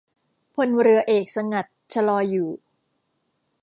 พลเรือเอกสงัด ชลออยู่